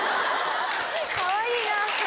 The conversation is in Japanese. かわいいな。